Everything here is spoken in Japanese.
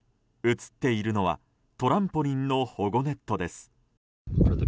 映っているのはトランポリンの保護ネットです。